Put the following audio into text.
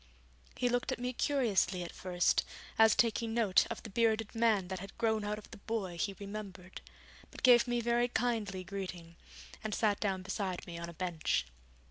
He looked at me curiously at first, as taking note of the bearded man that had grown out of the boy he remembered, but gave me very kindly greeting, and sat down beside me on a bench.